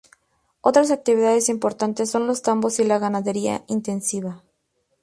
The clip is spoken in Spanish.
Otras actividades importantes son los tambos y la ganadería intensiva.